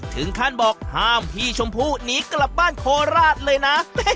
ถึงขั้นบอกห้ามพี่ชมพู่หนีกลับบ้านโคราชเลยนะ